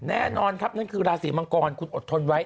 แน่นอนครับนั่นคือราศีมังกรคุณอดทนไว้